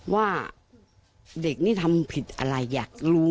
ว่าเด็กนี่ทำผิดอะไรอยากรู้